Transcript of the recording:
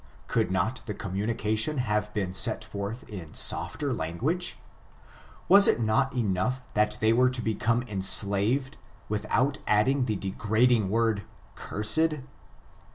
Could not the communication have been set forth in softer language ? Was it not enough that they were to become enslaved, without adding the degrading word, cursed